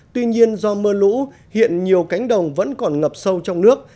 tuy nhiên do mưa lũ hiện nhiều cánh đồng vẫn còn ngập sâu trong nước